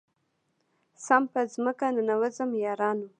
سم په مځكه ننوځم يارانـــو